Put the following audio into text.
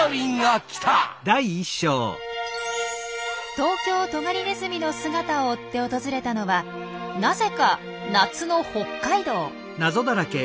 トウキョウトガリネズミの姿を追って訪れたのはなぜか夏の北海道。